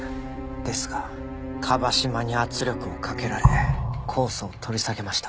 ですが椛島に圧力をかけられ控訴を取り下げました。